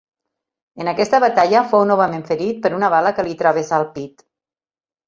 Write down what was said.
En aquesta batalla fou novament ferit per una bala que li travessà el pit.